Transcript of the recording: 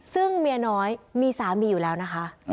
ซึ่งเมียน้อยมีสามีอยู่แล้วนะคะ